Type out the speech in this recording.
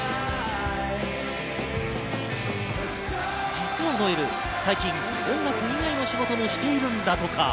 実はノエル、最近は音楽以外の仕事もしているんだとか。